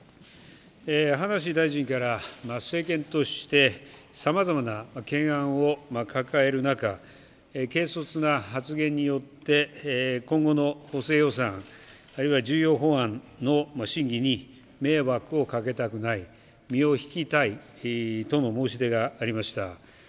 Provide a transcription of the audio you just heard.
葉梨大臣から、政権としてさまざまな懸案を抱える中、軽率な発言によって、今後の補正予算、あるいは重要法案の審議に迷惑をかけたくない、身を引きたいとの申し出がありました。